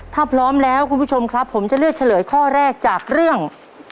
ถ้าพร้อมแล้วคุณผู้ชมครับผมจะเลือกเฉลยข้อแรกจากเรื่อง